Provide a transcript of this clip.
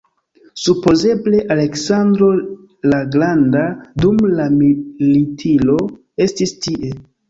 Supozeble Aleksandro la Granda dum la militiro estis tie.